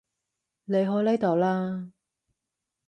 離開呢度啦